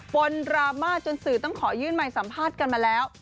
ปนดราม่าจนสื่อต้องขอยื่นไมค์สัมภาษณ์กันมาแล้ว